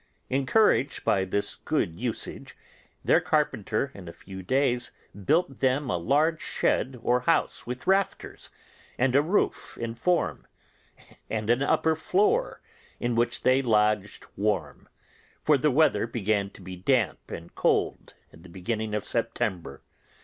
Encouraged by this good usage, their carpenter in a few days built them a large shed or house with rafters, and a roof in form, and an upper floor, in which they lodged warm: for the weather began to be damp and cold in the beginning of September.